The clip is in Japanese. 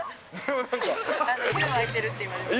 お湯沸いてるって言われます。